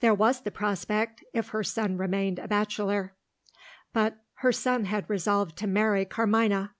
There was the prospect, if her son remained a bachelor. But her son had resolved to marry Carmina.